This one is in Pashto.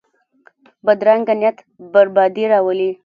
بدرنګه نیت بربادي راولي